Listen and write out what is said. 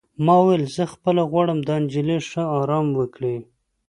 ما وویل: زه خپله غواړم دا نجلۍ ښه ارام وکړي.